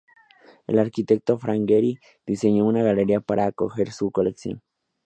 El arquitecto Frank Gehry, diseñó una galería para acoger su colección.